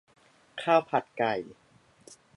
ข้าวผัดไก่